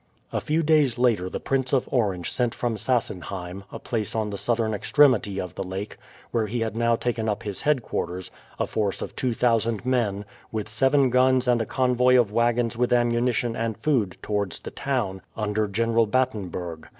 A few days later the Prince of Orange sent from Sassenheim, a place on the southern extremity of the lake, where he had now taken up his headquarters, a force of 2000 men, with seven guns and a convoy of wagons with ammunition and food towards the town, under General Batenburgh.